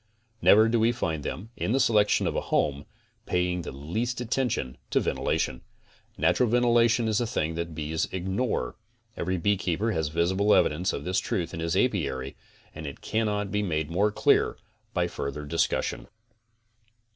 Never do we find them, in the selection of a home, paying the least attention to ventilation. Natural ventilation is a thing that the bees ignore. Every beekeeper has visible evidence of this truth in his aipary and it cannot be made more clear by further discussion.